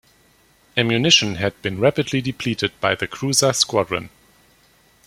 Ammunition had been rapidly depleted by the cruiser squadron.